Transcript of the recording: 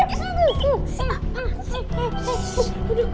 tunggu tunggu tunggu